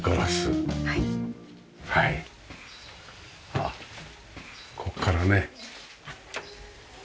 あっここからね。